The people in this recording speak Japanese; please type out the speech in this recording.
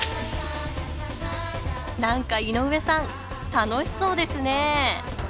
何か井上さん楽しそうですね。